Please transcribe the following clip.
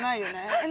えっ！